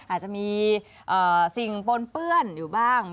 อาจจะมีสิ่งปนเปื้อนอยู่บ้าง